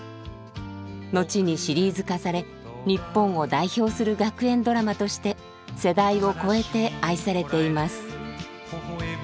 後にシリーズ化され日本を代表する学園ドラマとして世代を超えて愛されています。